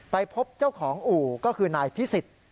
ไปพบเจ้าของอู่ก็คือนายพิสิทธิ์